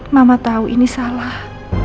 mama tahu ini salah